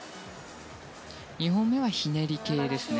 ２本目はひねり系ですね。